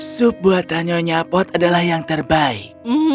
sup buatan nyonya pot adalah yang terbaik